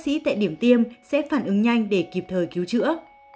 các bác sĩ tại điểm tiêm sẽ phản ứng nhanh để kịp thời cứu chữa